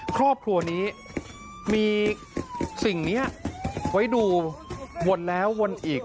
ครอบครัวนี้มีสิ่งนี้ไว้ดูวนแล้ววนอีก